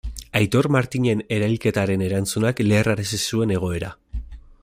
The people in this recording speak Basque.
Aitor Martinen erailketaren erantzunak leherrarazi zuen egoera.